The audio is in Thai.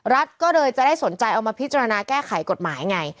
รัฐก็เลยจะได้สนใจเอามาพิจารณาแก้ไขกฎหมายไง